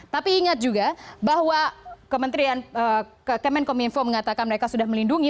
tapi ingat juga bahwa kemenkominfo mengatakan mereka sudah melindungi